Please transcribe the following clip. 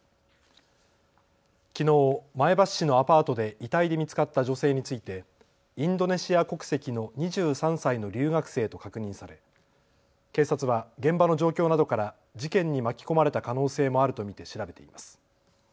きのう前橋市のアパートで遺体で見つかった女性についてインドネシア国籍の２３歳の留学生と確認され警察は現場の状況などから事件に巻き込まれた可能性もあると見て調べています。